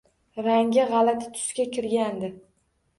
Rangi g`alat tusga kirgandi